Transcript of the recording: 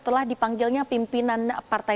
kemudian di dalam perjalanan ke negara